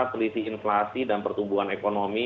peliti inflasi dan pertumbuhan ekonomi